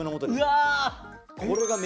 うわ！